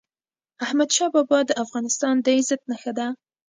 احمدشاه بابا د افغانستان د عزت نښه ده.